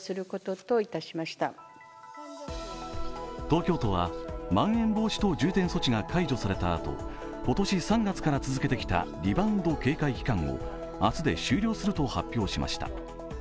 東京都はまん延防止等重点措置が解除されたあと今年３月から続けてきたリバウンド警戒期間を明日で終了すると発表しました。